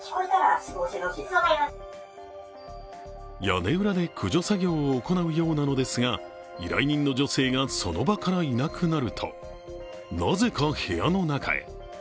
屋根裏で駆除作業を行うようなのですが、依頼人の女性がその場からいなくなるとなぜか部屋の中へ。